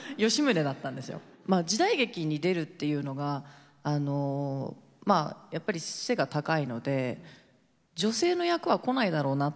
時代劇に出るっていうのがまあやっぱり背が高いので女性の役は来ないだろうなって思ってたんですよ。